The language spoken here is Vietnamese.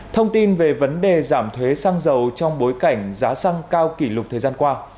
thông tin về vấn đề giảm thuế xăng dầu trong bối cảnh giá xăng cao kỷ lục thời gian qua